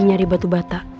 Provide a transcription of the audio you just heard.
nyari batu bata